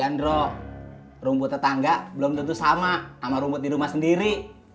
andro rumput tetangga belum tentu sama sama rumput di rumah sendiri